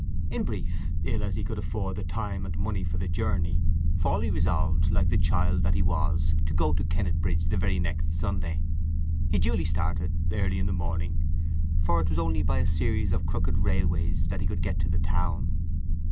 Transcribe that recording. In brief, ill as he could afford the time and money for the journey, Fawley resolved, like the child that he was, to go to Kennetbridge the very next Sunday. He duly started, early in the morning, for it was only by a series of crooked railways that he could get to the town.